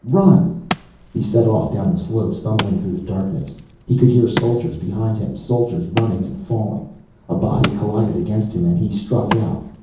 Run!" He set off, down the slope, stumbling through the darkness. He could hear soldiers behind him, soldiers running and falling. A body collided against him and he struck out.